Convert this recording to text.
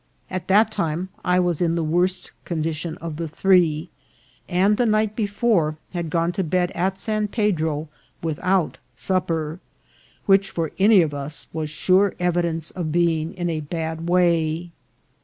At that time I was in the worst condition of the three, and the night before had gone to bed at San Pedro without supper, which for any of us was sure evidence of being in a bad way.